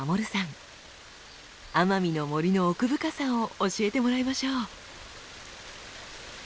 奄美の森の奥深さを教えてもらいましょう。